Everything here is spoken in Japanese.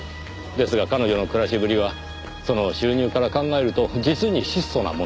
ですが彼女の暮らしぶりはその収入から考えると実に質素なものでした。